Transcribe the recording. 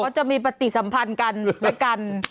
เขาจะมีปฏิสัมพันธ์กันด้วยกัน